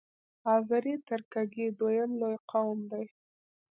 آذری ترکګي دویم لوی قوم دی.